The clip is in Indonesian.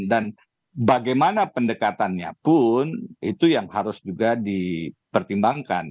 bagaimana pendekatannya pun itu yang harus juga dipertimbangkan